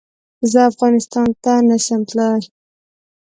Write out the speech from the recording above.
زه افغانستان ته نه سم تلی